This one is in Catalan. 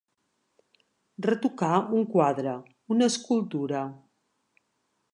Retocar un quadre, una escultura.